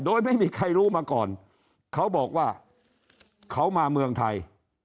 โดยไม่มีใครรู้มาก่อนเขาบอกว่าเขามาเมืองไทย